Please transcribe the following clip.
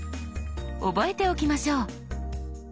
覚えておきましょう。